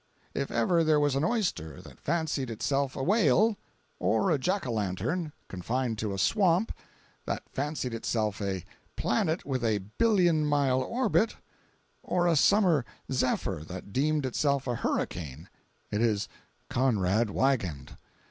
If ever there was an oyster that fancied itself a whale; or a jack o'lantern, confined to a swamp, that fancied itself a planet with a billion mile orbit; or a summer zephyr that deemed itself a hurricane, it is Conrad Wiegand.